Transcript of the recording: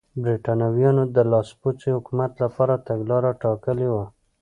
برېټانویانو د لاسپوڅي حکومت لپاره تګلاره ټاکلې وه.